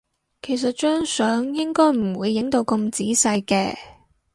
其實張相應該唔會影到咁仔細嘅